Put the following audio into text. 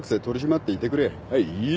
「はい。